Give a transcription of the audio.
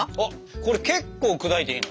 これ結構砕いていいの？